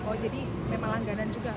oh jadi memang langganan juga